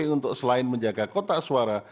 untuk selain menjaga kotak suara